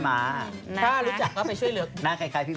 ถ้ารู้จักก็ไปช่วยเหลือก